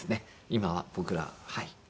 今は僕らはい。